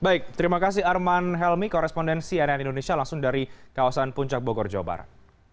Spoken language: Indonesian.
baik terima kasih arman helmi korespondensi nn indonesia langsung dari kawasan puncak bogor jawa barat